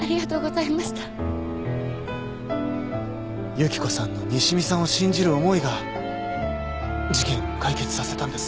由紀子さんの西見さんを信じる思いが事件を解決させたんです。